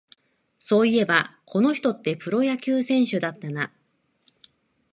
そういえば、この人ってプロ野球選手だったな